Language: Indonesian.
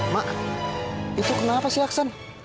mak itu kenapa sih aksen